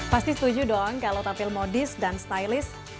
pasti setuju dong kalau tampil modis dan stylist